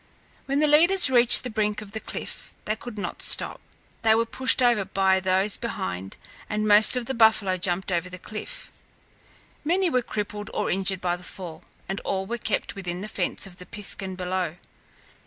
When the leaders reached the brink of the cliff, they could not stop. They were pushed over by those behind, and most of the buffalo jumped over the cliff. Many were crippled or injured by the fall, and all were kept within the fence of the piskun below.